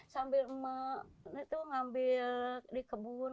sambil imas mengambil di kebun